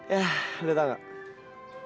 ya lo tahu nggak